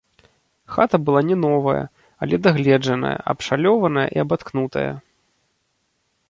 Хата была не новая, але дагледжаная, абшалёваная і абаткнутая.